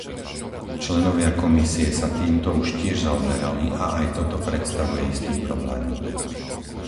Členovia Komisie sa týmto už tiež zaoberali a aj toto predstavuje istý problém.